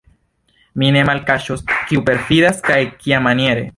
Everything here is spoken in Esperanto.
Mi ne malkaŝos, kiu perfidas, kaj kiamaniere.